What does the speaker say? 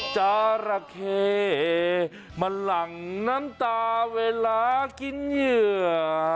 จาระเขมาหลั่งน้ำตาเวลากินเหยื่อ